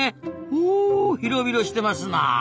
おお広々してますなあ！